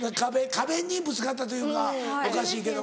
壁にぶつかったというかおかしいけども。